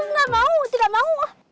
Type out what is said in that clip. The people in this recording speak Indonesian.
nah mau tidak mau